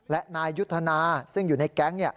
และนายยุทธนาซึ่งอยู่ในแก๊ง